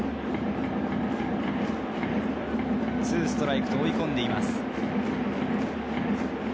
２ストライクと追い込んでいます。